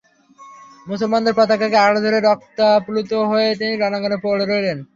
মুসলমানদের পতাকাকে আঁকড়ে ধরে রক্তাপ্লুত হয়ে তিনি রণাঙ্গনে পড়ে রইলেন।